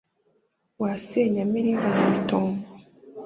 wasiye nyamiringa nyamitongo